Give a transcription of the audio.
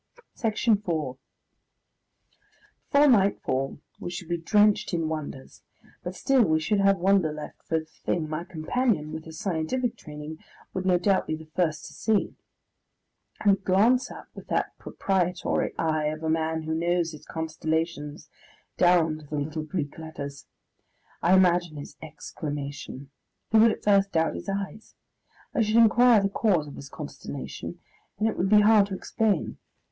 Section 4 Before nightfall we should be drenched in wonders, but still we should have wonder left for the thing my companion, with his scientific training, would no doubt be the first to see. He would glance up, with that proprietary eye of the man who knows his constellations down to the little Greek letters. I imagine his exclamation. He would at first doubt his eyes. I should inquire the cause of his consternation, and it would be hard to explain.